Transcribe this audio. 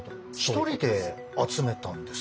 １人で集めたんですかね？